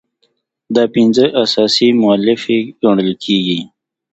دا پنځه اساسي مولفې ګڼل کیږي.